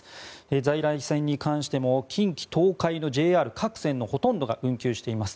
在来線に関しても近畿・東海のＪＲ各線のほとんどが運休しています。